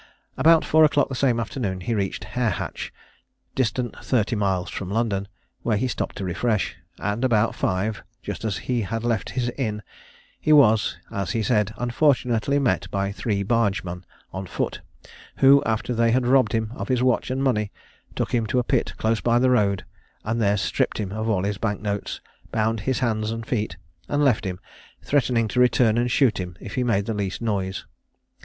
About four o'clock the same afternoon he reached Hare hatch, distant thirty miles from London, where he stopped to refresh; and about five, just as he had left his inn, he was, as he said, unfortunately met by three bargemen on foot, who, after they had robbed him of his watch and money, took him to a pit close by the road, and there stripped him of all his bank notes, bound his hands and feet, and left him, threatening to return and shoot him if he made the least noise.